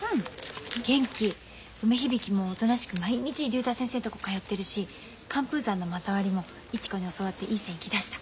梅響もおとなしく毎日竜太先生んとこ通ってるし寒風山の股割りも市子に教わっていい線いきだした。